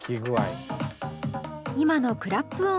今のクラップ